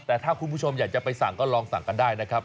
แต่ถ้าคุณผู้ชมอยากจะไปสั่งก็ลองสั่งกันได้นะครับ